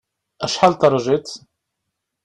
Acḥal terjiḍ?